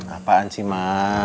apaan sih ma